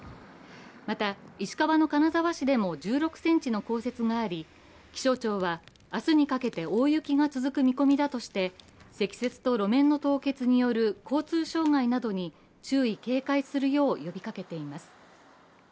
また、石川の金沢市でも１６ｃｍの降雪があり気象庁は明日にかけて大雪が続く見込みだとして積雪と路面の凍結による交通障害などに注意・警戒するよう呼びかけています。